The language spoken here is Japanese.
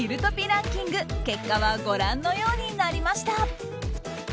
ランキング結果はご覧のようになりました。